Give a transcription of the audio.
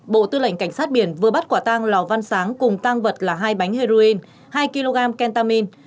bộ tư lệnh cảnh sát biển vừa bắt quả tang lò văn sáng cùng tăng vật là hai bánh heroin hai kg kentamin